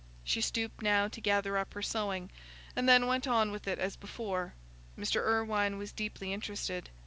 She stooped now to gather up her sewing, and then went on with it as before. Mr. Irwine was deeply interested.